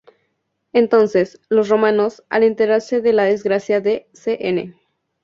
Entonces, los romanos, al enterarse de la desgracia de Cn.